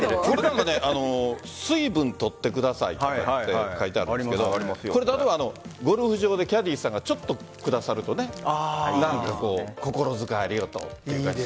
水分取ってくださいとかって書いてありますけど例えばゴルフ場でキャディーさんがちょっと下さると心遣いありがとうっていう感じ。